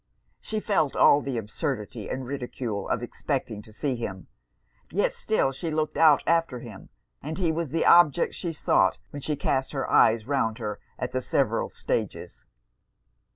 She felt all the absurdity and ridicule of expecting to see him; yet still she looked out after him; and he was the object she sought when she cast her eyes round her at the several stages.